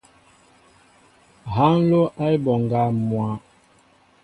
Ha nló a e mɓoŋga mwa.